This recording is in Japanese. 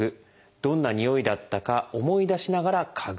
どんなにおいだったか思い出しながら嗅ぐ。